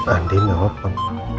andien jawab pak